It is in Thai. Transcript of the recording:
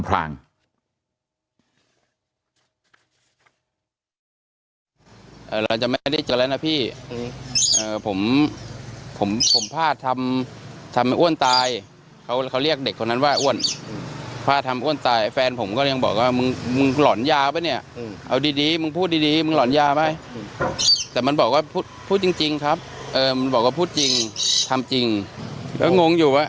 แล้วก็เอาศพไปซ่อนเตรียมอำพลาง